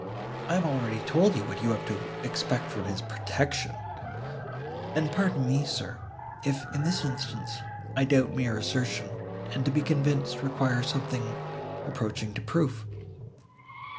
I have already told you what you have to expect from his protection." "And pardon me, sir, if, in this instance, I doubt mere assertion, and, to be convinced, require something approaching to proof."